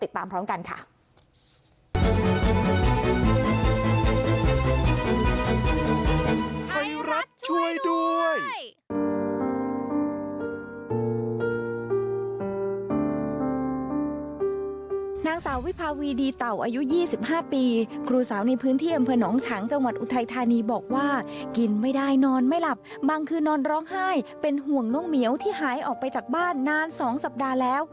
ตามพร้อมกันค่ะ